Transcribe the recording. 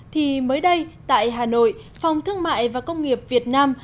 thì mới đây tại hà nội phòng thương mại và công nghiệp việt nam